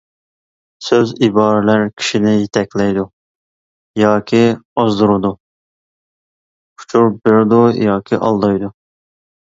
سۆز-ئىبارىلەر كىشىنى يېتەكلەيدۇ ياكى ئازدۇرىدۇ، ئۇچۇر بېرىدۇ ياكى ئالدايدۇ.